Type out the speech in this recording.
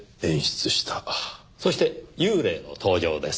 そして幽霊の登場です。